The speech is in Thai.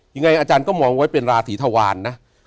ยังไงอาจารย์ก็มองไว้เป็นราศีธวารนะ